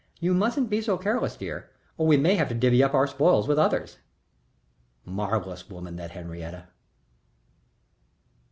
You mustn't be so careless, dear, or we may have to divvy up our spoil with others." Marvellous woman, that Henriette!